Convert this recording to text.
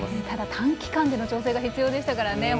ただ、短期間での調整が必要でしたからね。